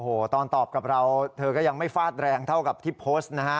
โอ้โหตอนตอบกับเราเธอก็ยังไม่ฟาดแรงเท่ากับที่โพสต์นะฮะ